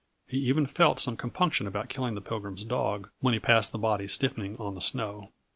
He even felt some compunction about killing the Pilgrim's dog, when he passed the body stiffening on the snow.